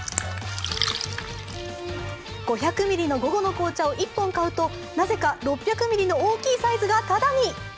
５００ミリの午後の紅茶を１本買うとなぜか６００ミリの大きいサイズがただに。